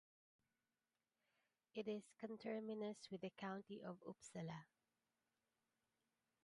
It is conterminous with the county of Uppsala.